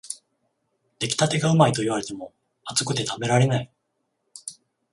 出来たてがうまいと言われても、熱くて食べられない